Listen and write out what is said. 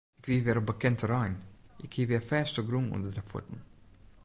Ik wie wer op bekend terrein, ik hie wer fêstegrûn ûnder de fuotten.